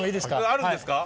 あるんですか？